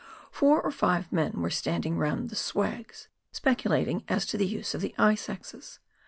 Four or five men were standing round the " swags," speculat ing as to the use of the ice axes.